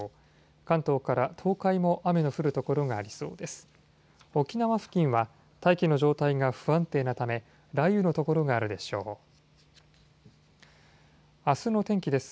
関東から東海も雨の降る所がありそうです。